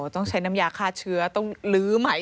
ต้องใช้น้ำยาฆ่าเชื้อต้องลื้อใหม่